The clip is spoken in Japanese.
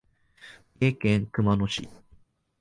三重県熊野市